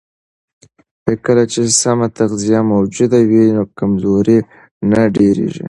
کله چې سم تغذیه موجوده وي، کمزوري نه ډېرېږي.